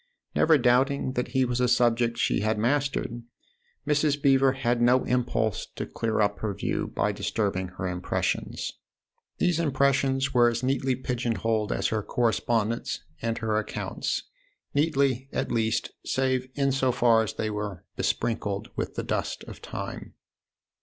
Never doubting that he was a subject she had mastered, Mrs. Beever had no impulse to clear up her view by distributing her impressions. These impressions were as neatly pigeon holed as her correspondence and her accounts neatly, at least, save in so far as they were besprinkled with the dust of time.